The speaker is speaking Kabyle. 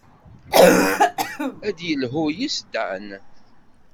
Ad d-yelhu yes-s Dan.